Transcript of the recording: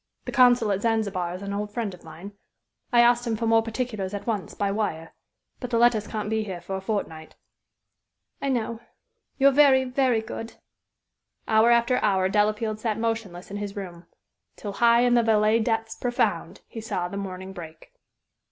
The consul at Zanzibar is an old friend of mine. I asked him for more particulars at once, by wire. But the letters can't be here for a fortnight." "I know. You're very, very good." Hour after hour Delafield sat motionless in his room, till "high in the Valais depths profound" he "saw the morning break."